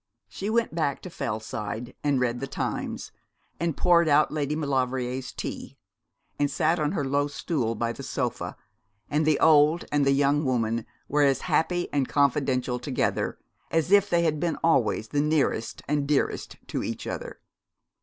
She went back to Fellside, and read the Times, and poured out Lady Maulevrier's tea, and sat on her low stool by the sofa, and the old and the young woman were as happy and confidential together as if they had been always the nearest and dearest to each other.